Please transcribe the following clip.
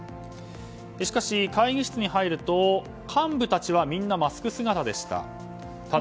しかし、会議室に入ると幹部たちはみんなマスク姿でした。